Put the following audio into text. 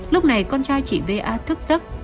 lúc này con trai chị va thức giấc